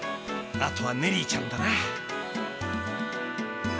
あとはネリーちゃんだな。